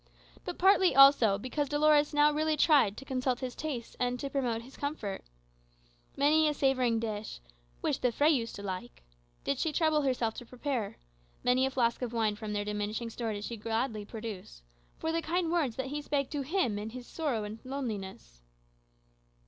But partly also because Dolores now really tried to con suit his tastes and to promote his comfort. Many a savoury dish "which the Fray used to like" did she trouble herself to prepare; many a flask of wine from their diminishing store did she gladly produce, "for the kind words that he spake to him in his sorrow and loneliness."